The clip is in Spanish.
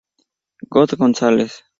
G. González.